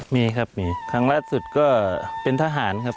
มีครับมีครั้งล่าสุดก็เป็นทหารครับ